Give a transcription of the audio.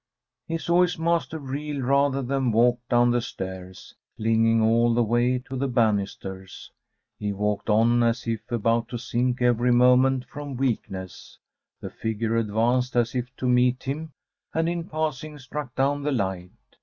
He saw his master reel, rather than walk, down the stairs, clinging all the way to the banisters. He walked on, as if about to sink every moment from weakness. The figure advanced as if to meet him, and in passing struck down the light.